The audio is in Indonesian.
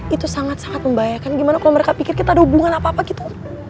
itu sangat sangat membahayakan gimana kalau mereka pikir kita ada hubungan apa apa gitu